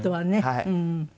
はい。